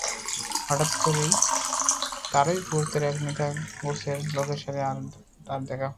হঠাৎ করে তারই গোত্রের এক নেতাগোছের লোকের সাথে তার দেখা হয়।